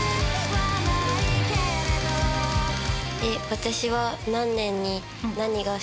私は。